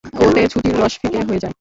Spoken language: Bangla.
ওতে ছুটির রস ফিকে হয়ে যায়।